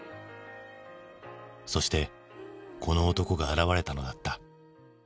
そしてこの男が現れたのだった。